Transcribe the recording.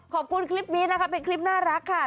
ขอบคุณคลิปนี้นะคะเป็นคลิปน่ารักค่ะ